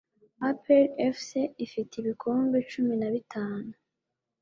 APR FC ifite ibikombe CUMI NA BITANU